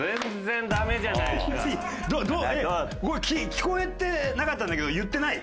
聞こえてなかったんだけど言ってない？